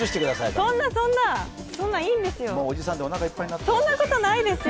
そんな、そんな、いいんですよ！